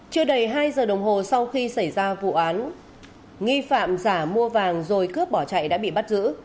chưa đầy hai giờ đồng hồ sau khi xảy ra vụ án nghi phạm giả mua vàng rồi cướp bỏ chạy đã bị bắt giữ